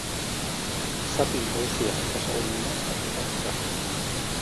Zati nagusia eta ezagunena, Afrikan kokatzen da.